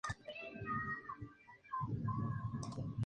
La Riviera italiana de los años treinta.